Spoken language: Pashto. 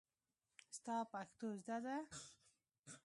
ستا پښتو زده ده.